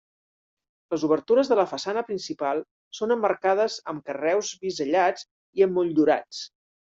Les obertures de la façana principal són emmarcades amb carreus bisellats i emmotllurats.